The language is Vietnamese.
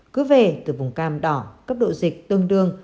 cứ về từ vùng cam đỏ cấp độ dịch tương đương